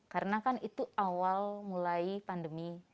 karena kan itu awal mulai pandemi